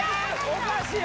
おかしい